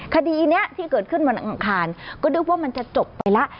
คดีนี้ที่เกิดขึ้นวันอังคารก็นึกว่ามันจะจบไปแล้ว